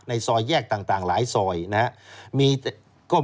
ซอยแยกต่างหลายซอยนะครับ